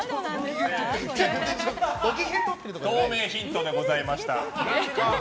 透明ヒントでございました。